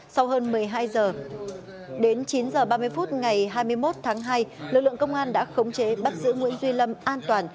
sau hơn một mươi hai h đến chín h ba mươi phút ngày hai mươi một tháng hai lực lượng công an đã khống chế bắt giữ nguyễn duy lâm an toàn